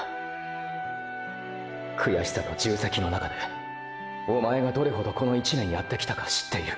悔しさと重責の中でおまえがどれほどこの１年やってきたか知っている。